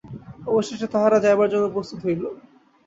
অবশেষে তাহারা যাইবার জন্য প্রস্তুত হইল।